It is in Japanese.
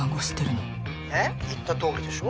☎ねっ言ったとおりでしょ